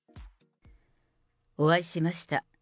お会いしました。